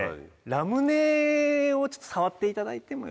ラムネをちょっと触っていただいても？